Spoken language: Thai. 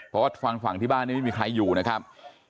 เพราะว่าทางฝั่งที่บ้านไม่มีใครอยู่นะครับ